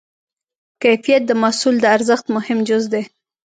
کیفیت د محصول د ارزښت مهم جز دی.